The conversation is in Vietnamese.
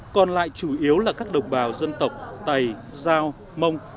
còn lại chủ yếu là các đồng bào dân tộc tày giao mông